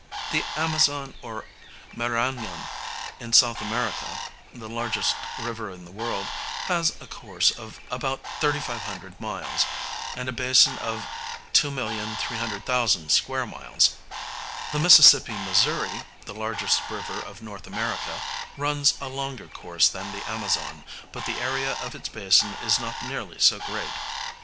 The Amazon or Mara├▒on in S. America, the largest river in the world, has a course of about 3500 miles, and a basin of 2,300,000 sq. miles; the Mississippi Missouri, the largest river of North America, runs a longer course than the Amazon, but the area of its basin is not nearly so great.